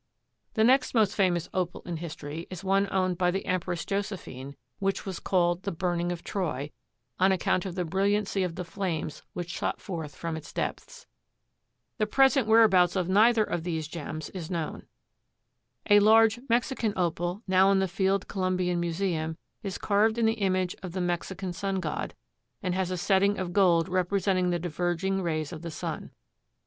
The next most famous Opal in history is one owned by the Empress Josephine which was called "The Burning of Troy," on account of the brilliancy of the flames which shot forth from its depths. The present whereabouts of neither of these gems is known. A large Mexican Opal, now in the Field Columbian Museum, is carved in the image of the Mexican sun god, and has a setting of gold representing the diverging rays of the sun.